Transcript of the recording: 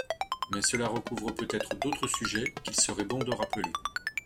Mais cela recouvre peut-être d’autres sujets, qu’il serait bon de rappeler.